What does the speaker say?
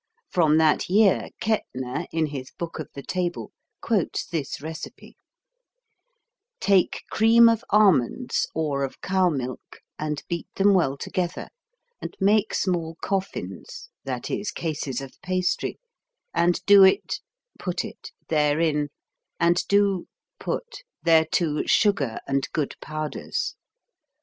From that year Kettner in his Book of the Table quotes this recipe: Take cream of almonds or of cow milk and beat them well together; and make small coffins (that is, cases of pastry), and do it (put it) therein; and do (put) thereto sugar and good powders.